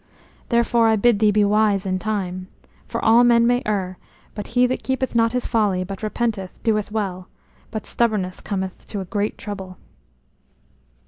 Therefore I bid thee be wise in time. For all men may err; but he that keepeth not his folly, but repenteth, doeth well; but stubbornness cometh to great trouble."